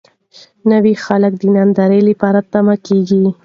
نوي خلک د نندارې لپاره تم کېږي.